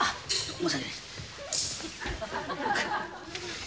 申し訳ない。